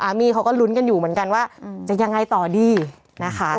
มี่เขาก็ลุ้นกันอยู่เหมือนกันว่าจะยังไงต่อดีนะคะ